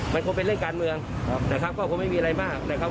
มันคงเป็นเรื่องการเมืองนะครับก็คงไม่มีอะไรมากนะครับ